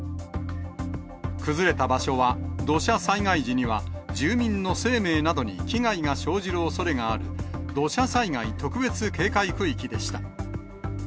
崩れた場所は、土砂災害時には住民の生命などに危害が生じるおそれがある、土砂災害特別警戒区域でした。